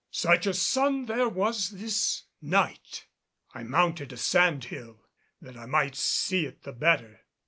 Such a sun there was this night I mounted a sand hill that I might see it the better.